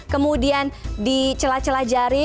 kemudian di sela sela jari